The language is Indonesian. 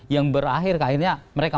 yang berakhir akhirnya mereka